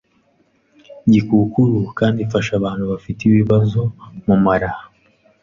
Gikukuru kandi ifasha abantu bafite ibibazo mu mara